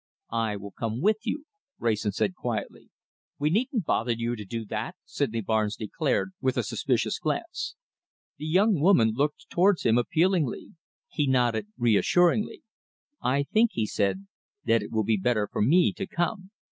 "I will come with you," Wrayson said quietly. "We needn't bother you to do that," Sydney Barnes declared, with a suspicious glance. The young woman looked towards him appealingly. He nodded reassuringly. "I think," he said, "that it will be better for me to come.